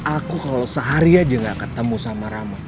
aku kalau sehari aja gak ketemu sama rama